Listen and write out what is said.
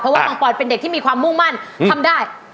ว่าปังปอนเป็นเด็กที่มีความมุ่งมั่นทำได้